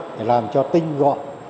để làm cho tinh gọn